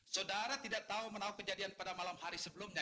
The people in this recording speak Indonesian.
saudara tidak tahu menahu kejadian pada malam hari sebelumnya